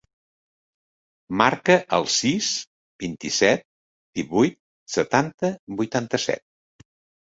Marca el sis, vint-i-set, divuit, setanta, vuitanta-set.